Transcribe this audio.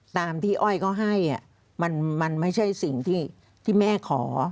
ตามที่อ้อยเขาให้มันไม่ใช่สิ่งที่แม่ขอ